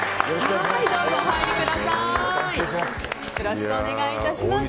よろしくお願いします。